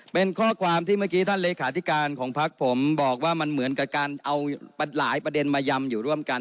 เป็นข้อความที่เมื่อกี้ท่านเลขาธิการของพักผมบอกว่ามันเหมือนกับการเอาหลายประเด็นมายำอยู่ร่วมกัน